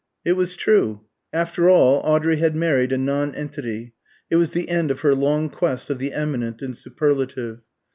It was true. After all, Audrey had married a nonentity: it was the end of her long quest of the eminent and superlative.